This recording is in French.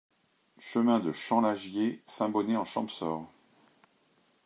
Chemin de Champ Lagier, Saint-Bonnet-en-Champsaur